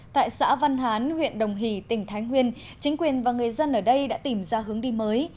tại xã văn hán huyện đồng hỷ tỉnh thái nguyên chính quyền và người dân ở đây đã tìm ra hướng đi mới